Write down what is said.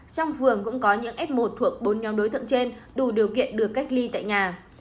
trong vườn cũng có những f một thuộc bốn nhóm đối tượng trên đủ điều kiện được cách ly tại nhà